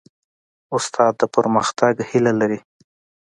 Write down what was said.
استاد د پرمختګ هیله لري.